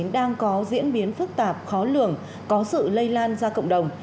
đang có diễn biến phức tạp khó lường có sự lây lan ra cộng đồng